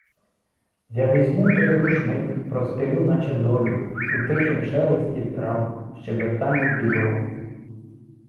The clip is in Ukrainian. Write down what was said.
Я візьму той рушник, простелю, наче долю, в тихім шелесті трав, в щебетанні дібров